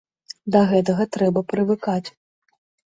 Да гэтага трэба прывыкаць.